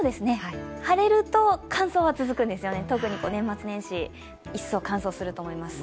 晴れると乾燥は続くんですよね、特に年末年始一層乾燥すると思います。